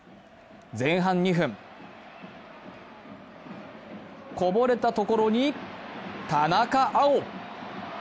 前半２分、こぼれたところに田中碧。